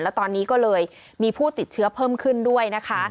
และตอนนี้ก็เลยมีผู้ติดเชื้อเพิ่มขึ้นด้วยนะคะ